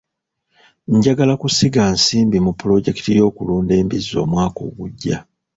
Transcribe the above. Njagala kusiga nsimbi mu pulojekiti y'okulunda embizzi omwaka ogujja.